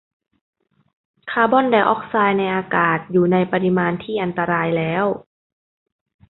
คาร์บอนไดอ็อกไซด์ในอากาศ อยู่ในปริมาณที่อันตรายแล้ว